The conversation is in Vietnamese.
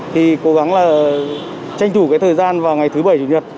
thì cố gắng là tranh thủ cái thời gian vào ngày thứ bảy chủ nhật